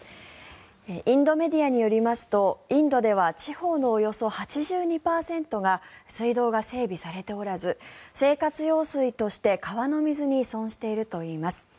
インドメディアによりますとインドでは地方のおよそ８２％が水道が整備されておらず生活用水として川の水に依存しているといいます。